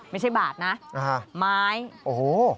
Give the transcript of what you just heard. ไม่ใช่บาทนะไม้โอ้โฮเยอะนะโอ้โฮ